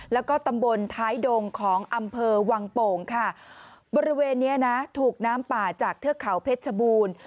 แล้วก็ตำบลท้ายดงของอำเภอวังโป่งค่ะบริเวณเนี้ยนะถูกน้ำป่าจากเทือกเขาเพชรชบูรณ์